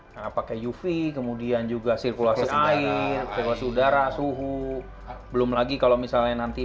karena pakai uv kemudian juga sirkulasi air sirkulasi udara suhu belum lagi kalau misalnya nanti